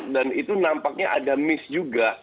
dan itu nampaknya ada miss juga